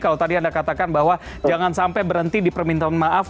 kalau tadi anda katakan bahwa jangan sampai berhenti di permintaan maaf